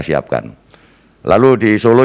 siapkan lalu di solo